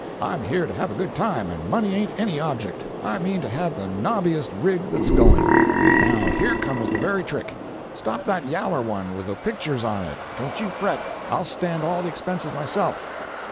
I'm here to have a good time, and money ain't any object. I mean to have the nobbiest rig that's going. Now here comes the very trick. Stop that yaller one with the pictures on it—don't you fret—I'll stand all the expenses myself."